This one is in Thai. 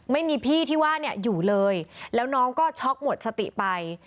ไม่มีพี่ที่ว่าเนี่ยอยู่เลยแล้วน้องก็ช็อกหมดสติไป